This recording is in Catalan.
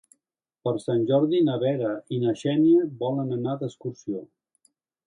Per Sant Jordi na Vera i na Xènia volen anar d'excursió.